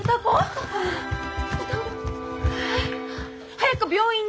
早く病院に！